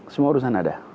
semua urusan ada